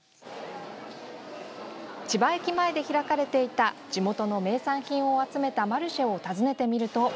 千葉駅前で開かれていた地元の名産品を集めたマルシェを訪ねてみると。